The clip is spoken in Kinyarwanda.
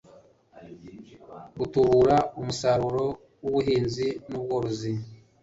gutubura umusaruro w'ubuhinzi n'ubworozi